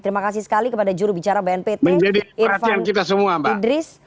terima kasih sekali kepada jurubicara bnpt irfan idris